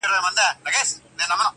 یارانو لوبه اوړي د اسمان څه به کوو؟-